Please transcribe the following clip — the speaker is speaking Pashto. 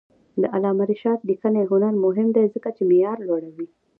د علامه رشاد لیکنی هنر مهم دی ځکه چې معیار لوړوي.